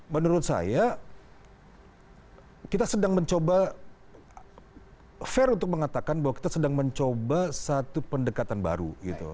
menurut saya kita sedang mencoba fair untuk mengatakan bahwa kita sedang mencoba satu pendekatan baru gitu